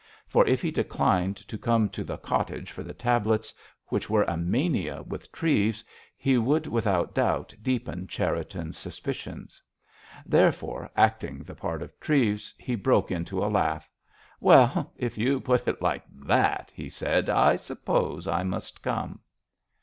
For if he declined to come to the cottage for the tablets, which were a mania with Treves, he would without doubt deepen Cherriton's suspicions. Therefore, acting the part of Treves, he broke into a laugh. "Well, if you put it like that," he said, "I suppose I must come."